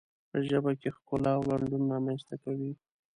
په ژبه کې ښکلا او لنډون رامنځته کوي.